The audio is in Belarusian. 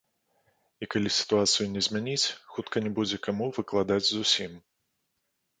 І калі сітуацыю не змяніць, хутка не будзе каму выкладаць зусім.